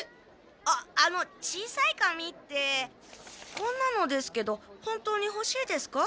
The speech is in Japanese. あっあの小さい紙ってこんなのですけど本当にほしいですか？